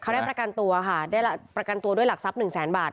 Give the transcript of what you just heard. เขาได้ประกันตัวค่ะได้ประกันตัวด้วยหลักทรัพย์หนึ่งแสนบาท